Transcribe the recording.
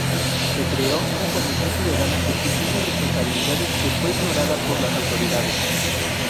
Se creó una comisión ciudadana exigiendo responsabilidades que fue ignorada por las autoridades.